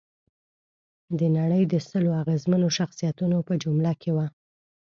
د نړۍ د سلو اغېزمنو شخصیتونو په جمله کې وه.